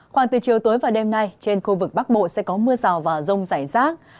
khoảng từ chiều tối và đêm nay trên khu vực bắc bộ sẽ có mưa rào và rông rải rác